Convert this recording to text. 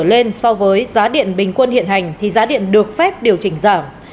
khi giá bán điện bình quân giảm từ một trở lên so với giá điện bình quân hiện hành thì giá điện được phép điều chỉnh giảm